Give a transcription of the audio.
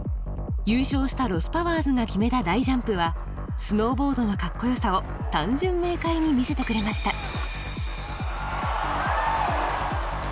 優勝したロス・パワーズが決めた大ジャンプはスノーボードのかっこよさを単純明快に見せてくれました。